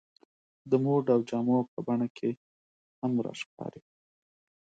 د موډ او جامو په بڼه کې هم راښکاري.